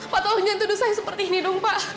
pak tolong jangan tuduh saya seperti ini dong pak